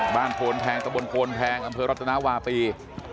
โพนแพงตะบนโพนแพงอำเภอรัตนาวาปี